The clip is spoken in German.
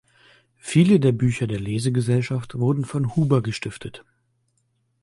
Viele der Bücher der Lesegesellschaft wurden von Huber gestiftet.